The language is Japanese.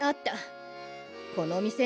この店ね。